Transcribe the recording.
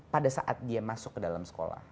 pada saat dia masuk ke dalam sekolah